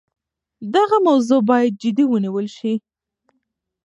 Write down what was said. دغه موضوع باید جدي ونیول سي.